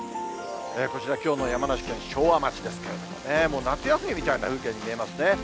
こちらきょうの山梨県昭和町ですけれどもね、もう夏休みみたいな風景に見えますね。